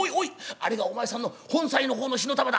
あれがお前さんの本妻の方の火の玉だ！」。